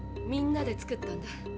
みんなで作ったんだ。